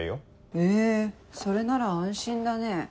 へぇそれなら安心だね。